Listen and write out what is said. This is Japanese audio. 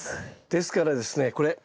ですからですねこれ。